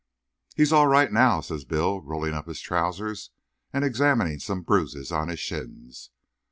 "He's all right now," says Bill, rolling up his trousers and examining some bruises on his shins.